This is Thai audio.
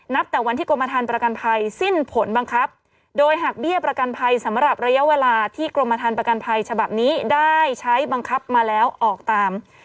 แต่วันที่กรมฐานประกันภัยสิ้นผลบังคับโดยหักเบี้ยประกันภัยสำหรับระยะเวลาที่กรมฐานประกันภัยฉบับนี้ได้ใช้บังคับมาแล้วออกตาม